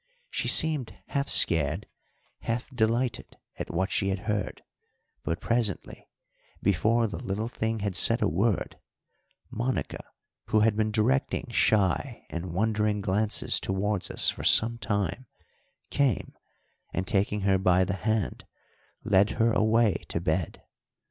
She seemed half scared, half delighted at what she had heard; but presently, before the little thing had said a word, Monica, who had been directing shy and wondering glances towards us for some time, came, and, taking her by the hand, led her away to bed.